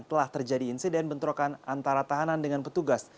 telah terjadi insiden bentrokan antara tahanan dengan petugas